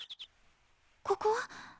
ここは？